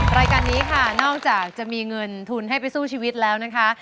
รายการนี้ค่ะนอกจากจะมีเงินทุนให้ไปสู้ชีวิตแล้วนะคะ